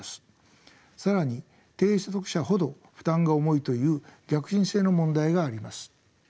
更に低所得者ほど負担が重いという逆進性の問題があります。